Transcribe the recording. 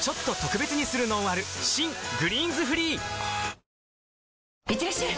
新「グリーンズフリー」いってらっしゃい！